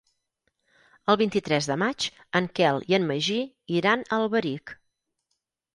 El vint-i-tres de maig en Quel i en Magí iran a Alberic.